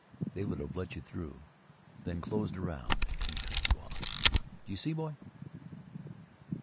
They would have let you through, then closed around and cut you off. Do you see, boy?"